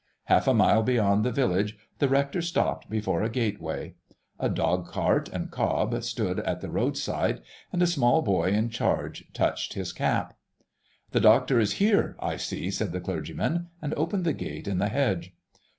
Half a mile beyond the village the rector stopped before a gate way. A dogcart and cob stood at the roadside, and a small boy in charge touched his cap. "The Doctor is here, I see," said the clergyman, and opened the gate in the hedge.